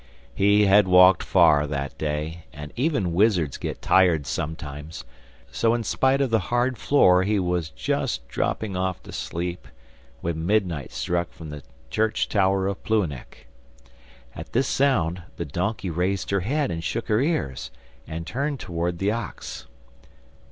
He had walked far that day, and even wizards get tired sometimes, so in spite of the hard floor he was just dropping off to sleep, when midnight struck from the church tower of Plouhinec. At this sound the donkey raised her head and shook her ears, and turned towards the ox.